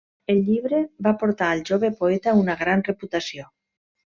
El llibre va portar al jove poeta una gran reputació.